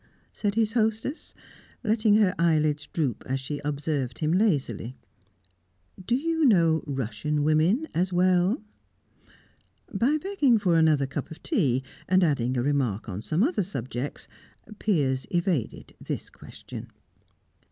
said his hostess, letting her eyelids droop as she observed him lazily. "Do you know Russian women as well?" By begging for another cup of tea, and adding a remark on some other subject, Piers evaded this question.